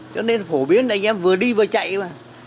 cho nên phổ biến là anh em vừa đi vừa chạy mà